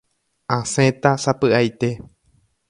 Asẽta sapy'aite.